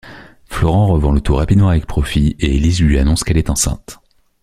Florent revend le tout rapidement avec profits et Élise lui annonce qu'elle est enceinte.